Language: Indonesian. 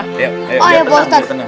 oh ya bapak ustaz